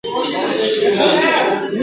هم ښکنځل هم بد او رد یې اورېدله !.